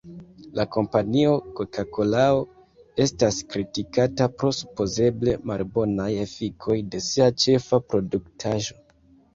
La kompanio Koka-Kolao estas kritikata pro supozeble malbonaj efikoj de sia ĉefa produktaĵo.